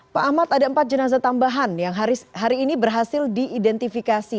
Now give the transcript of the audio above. pak ahmad ada empat jenazah tambahan yang hari ini berhasil diidentifikasi